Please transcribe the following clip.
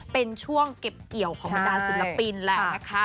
เป็นช่วงเก็บเกี่ยวของบรรดาศิลปินแล้วนะคะ